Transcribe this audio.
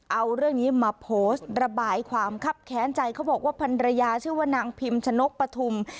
เอาเรื่องนี้มาโพสต์ระบายความคับแค้นใจเขาบอกว่าพันรยาชื่อว่านางพิมชนกปฐุม